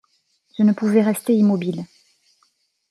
Je ne pouvais rester immobile.